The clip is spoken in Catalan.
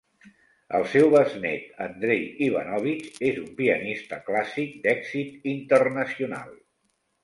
El seu besnét Andrei Ivanovitch és un pianista clàssic d'èxit internacional.